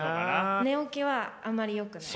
寝起きはあまりよくない。